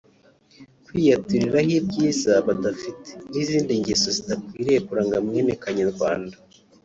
kwiyaturiraho ibyiza badafite n’izindi ngeso zidakwiye kuranga mwene Kanyarwanda